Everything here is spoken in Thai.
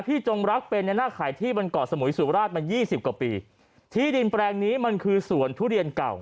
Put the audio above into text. จงรักเป็นในหน้าขายที่บนเกาะสมุยสุราชมายี่สิบกว่าปีที่ดินแปลงนี้มันคือสวนทุเรียนเก่า